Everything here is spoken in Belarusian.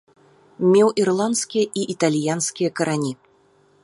Меў ірландскія і італьянскія карані.